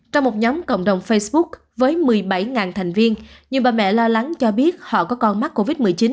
trong một nhóm cộng đồng facebook với một mươi bảy thành viên nhiều bà mẹ lo lắng cho biết họ có con mắc covid một mươi chín